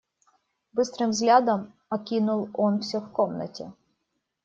Быстрым взглядом окинул он всё в комнате.